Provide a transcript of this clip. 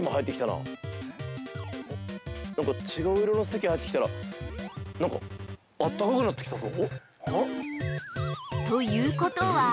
なんか違う色の関が入ってきたら、なんかあったかくなってきたぞ。